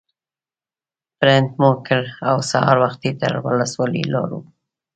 پرنټ مو کړ او سهار وختي تر ولسوالۍ لاړو.